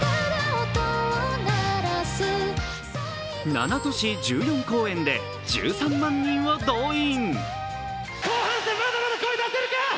７都市１４公演で１３万人を動員。